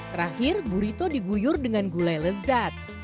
terakhir burito diguyur dengan gulai lezat